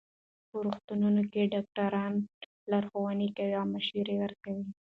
په روغتونونو کې ډاکټران لارښوونې کوي او مشوره ورکوي.